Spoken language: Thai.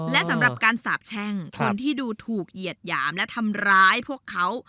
และสำหรับการสาบแช่งคนที่ดูถูกเหยียดหยามและทำร้ายพวกเขา